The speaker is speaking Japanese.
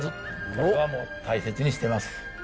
これはもう大切にしてます。